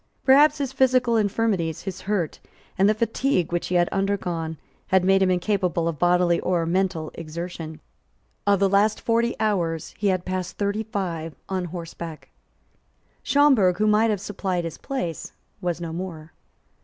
Perhaps his physical infirmities, his hurt, and the fatigue which he had undergone, had made him incapable of bodily or mental exertion. Of the last forty hours he had passed thirty five on horseback. Schomberg, who might have supplied his place, was no more.